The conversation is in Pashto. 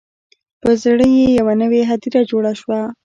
په زړه یې یوه نوي هدیره جوړه شوه